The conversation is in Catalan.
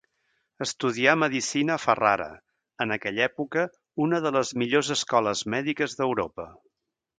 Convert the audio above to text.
Estudià medicina a Ferrara, en aquella època una de les millors escoles mèdiques d'Europa.